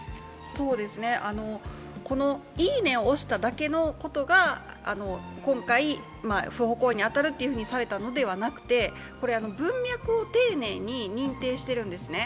「いいね」を押しただけのことが今回、不法行為に当たるということにされたのではなくてこれは文脈を丁寧に認定しているんですね。